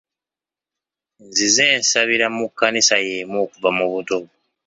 Nzize nsabira mu kkanisa y'emu okuva mu buto.